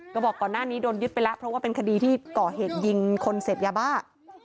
ก็บอกก่อนหน้านี้โดนยึดไปแล้วเพราะว่าเป็นคดีที่ก่อเหตุยิงคนเสพยาบ้า